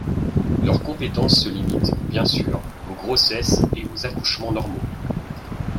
Leur compétence se limite, bien sûr, aux grossesses et aux accouchements normaux.